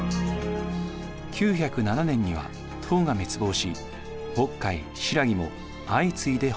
９０７年には唐が滅亡し渤海新羅も相次いで滅びました。